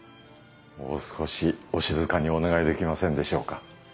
もう少しお静かにお願いできませんでしょうか？